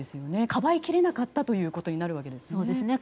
かばいきれなかったということになるわけなんですね。